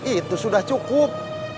itu sudah cukup